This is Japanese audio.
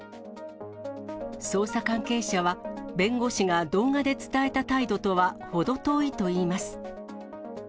捜査関係者は、弁護士が動画で伝えた態度とは程遠いといいます。